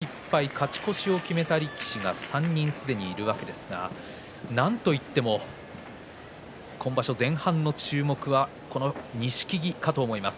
幕内は８勝１敗勝ち越しを決めた力士が３人すでにいるわけですがなんといっても今場所前半の注目はこの錦木かと思います。